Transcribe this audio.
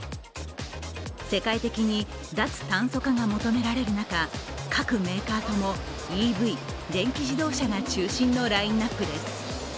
世界的に脱炭素化が求められる中各メーカーともＥＶ＝電気自動車が中心のラインナップです。